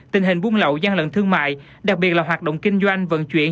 tình hình buôn lậu gian lận thương mại đặc biệt là hoạt động kinh doanh vận chuyển